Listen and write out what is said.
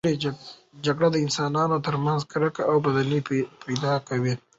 جګړه د انسانانو ترمنځ کرکه او بدبیني پیدا کوي.